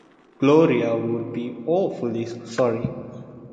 Gloria would be awfully sorry!